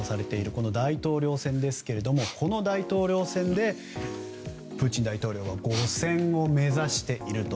この大統領選ですがこの大統領選でプーチン大統領は５選を目指していると。